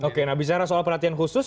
oke nah bicara soal perhatian khusus